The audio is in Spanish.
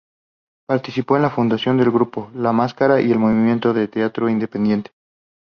Participó en la fundación del grupo "La máscara" y del movimiento de teatro independiente.